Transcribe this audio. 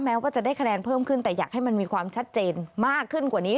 ว่าจะได้คะแนนเพิ่มขึ้นแต่อยากให้มันมีความชัดเจนมากขึ้นกว่านี้